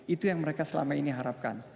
itu yang mereka selama ini harapkan